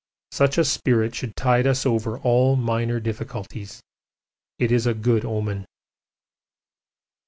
Such a spirit should tide us [over] all minor difficulties. It is a good omen.